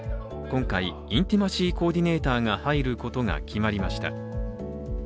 今回、インティマシー・コーディネーターが入ることが決まりました。